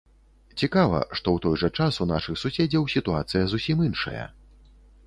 Цікава, што ў той жа час у нашых суседзяў сітуацыя зусім іншая.